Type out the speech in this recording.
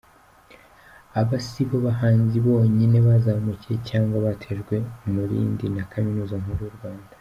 Aba sibo bahanzi bonyine bazamukiye cyangwa batejwe umurindi na Kaminuza Nkuru y'u Rwanda.